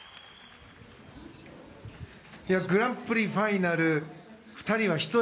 グランプリファイナル２人は１人。